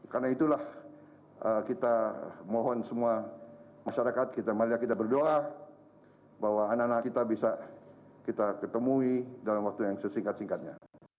karena itulah kita mohon semua masyarakat kita berdoa bahwa anak anak kita bisa kita ketemui dalam waktu yang sesingkat singkatnya